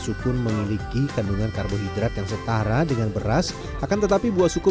sukun memiliki kandungan karbohidrat yang setara dengan beras akan tetapi buah suku